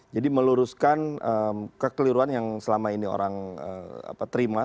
jadi meluruskan kekeliruan yang selama ini orang terima